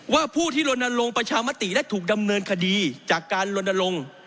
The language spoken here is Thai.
ผู้ที่ลนลงประชามติและถูกดำเนินคดีจากการลนลง